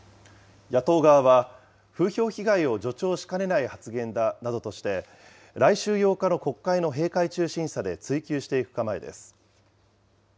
野党側は、風評被害を助長しかねない発言だなどとして、来週８日の国会の閉会中審査で追及していく構えです。